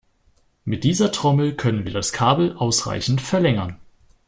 Mit dieser Trommel können wir das Kabel ausreichend verlängern.